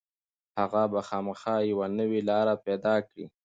هغه به خامخا یوه نوې لاره پيدا کړي.